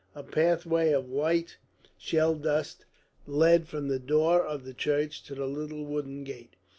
A pathway of white shell dust led from the door of the church to the little wooden gate.